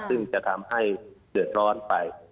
ซึ่งจะทำให้เดือดร้อนไป